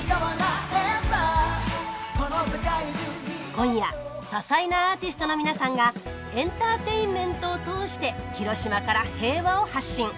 今夜多彩なアーティストの皆さんがエンターテインメントを通して広島から平和を発信。